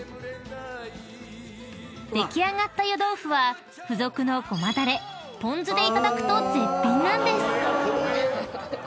［出来上がった湯豆腐は付属の胡麻だれぽん酢でいただくと絶品なんです］